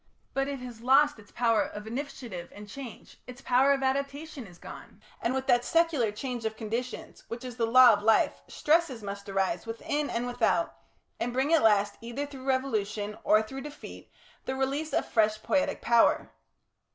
But it has lost its power of initiative and change; its power of adaptation is gone, and with that secular change of conditions which is the law of life, stresses must arise within and without, and bring at last either through revolution or through defeat the release of fresh poietic power.